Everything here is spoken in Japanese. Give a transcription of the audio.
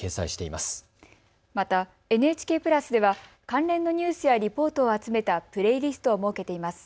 またＮＨＫプラスでは関連のニュースやリポートを集めたプレイリストを設けています。